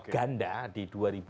ganda di dua ribu sembilan